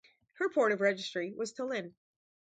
Her port of registry was Tallinn.